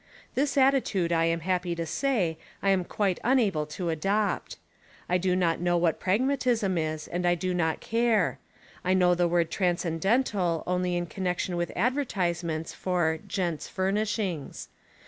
This attitude, I am happy to say, I 43: Essays and Literary Studies am quite unable to adopt I do not know what pragmatism is, and I do not care. I know the word transcendental only in connexion with advertisements for "gents' furnishings."